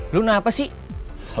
lu kenapa sih